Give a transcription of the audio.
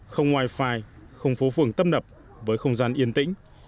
không wifi không phố phường tâm nập với không gian yên tĩnh